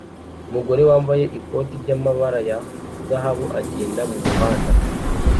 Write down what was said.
Umugore wambaye ikoti ryamabara ya zahabu agenda mumuhanda